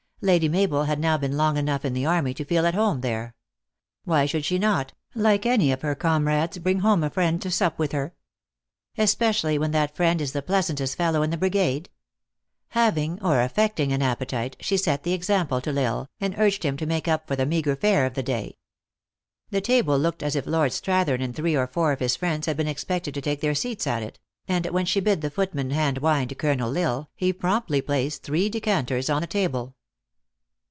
Lady Mabel had now been long enough in the army to feel at home there. Why should she not, like any of her comrades, bring home a friend to sup THE ACTRESS IN HIGH LIFE. 367 with her? Especially when that friend is the pleas antest fellow in the brigade ? Having or aifecting an appetite, she set the example to L Isle, and urged him to make up for the meagre fare of the day. The ta ble looked as if Lord Strathern and three or four of his friends had been expected to take their seats at it ; and when she bid the footman hand wine to Colonel L Isle, he promptly placed three ^decanters on the table.